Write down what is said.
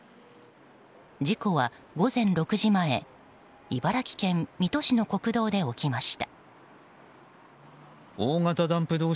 事故は午前６時前茨城県水戸市の国道で起きました。